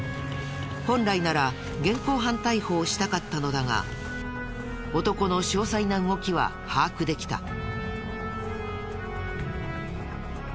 本来なら現行犯逮捕をしたかったのだが男の詳細な動きは把握できた。